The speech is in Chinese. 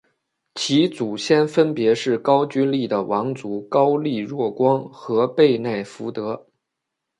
其祖先分别是高句丽的王族高丽若光和背奈福德。